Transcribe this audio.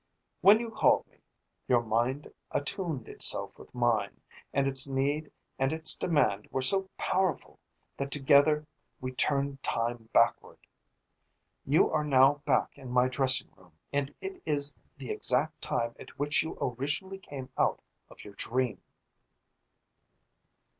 When you called me, your mind attuned itself with mine, and its need and its demand were so powerful that together we turned time backward. You are now back in my dressing room, and it is the exact time at which you originally came out of your dream."